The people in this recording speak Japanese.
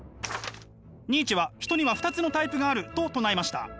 ニーチェは人には２つのタイプがあると唱えました。